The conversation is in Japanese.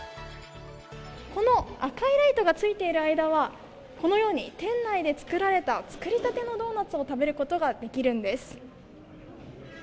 この赤いライトがついている間はこのように、店内で作られた作りたてのドーナツを食べることができるんです。